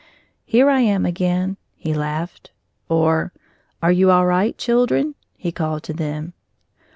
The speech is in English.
"Here I am again!" he laughed; or "Are you all right, children?" he called to them.